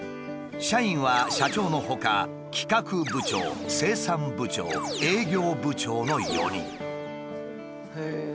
社員は社長のほか企画部長生産部長営業部長の４人。